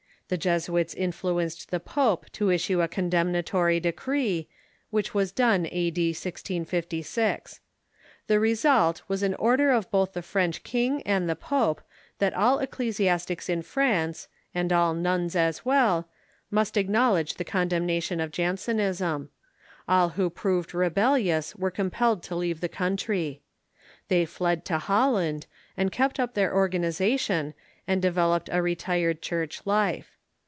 The Jesuits influenced the pope to issue a condem natory decree, which was done a.d, 1656. The result was an order of both the French king and the pope that all ecclesi astics in France, and all nuns as well, must acknowledge the condemnation of Jansenism. All who proved rebellious were compelled to leave the country. They fled to Holland, and kept up their organization, and developed a retired church life.